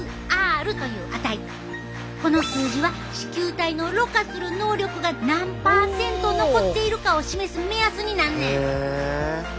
この数字は糸球体のろ過する能力が何％残っているかを示す目安になんねん。